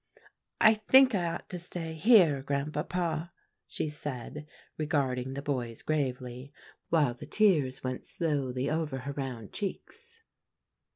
"I think I ought to stay here, Grandpapa," she said, regarding the boys gravely, while the tears went slowly over her round cheeks.